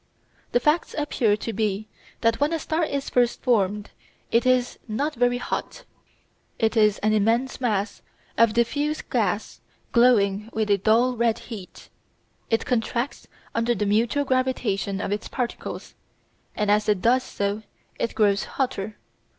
The facts appear to be that when a star is first formed it is not very hot. It is an immense mass of diffuse gas glowing with a dull red heat. It contracts under the mutual gravitation of its particles, and as it does so it grows hotter.